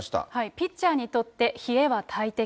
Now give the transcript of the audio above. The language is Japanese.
ピッチャーにとって冷えは大敵。